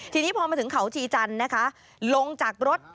ทีนี้พอมาถึงเขาชีจันทร์นะคะลงจากรถ